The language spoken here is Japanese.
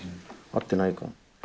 会ってないか。